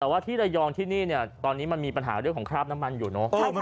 แต่ว่าที่ระยองตอนนี้มันมีปัญหาเรื่องขาบน้ำมันอยู่เนอะ